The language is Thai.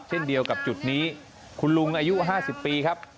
เช่นเดียวกับจุดนี้คุณลุงอายุ๕๐ปีครับ